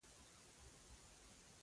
ملک صاحب پخوا احمد ته سپکه کتل.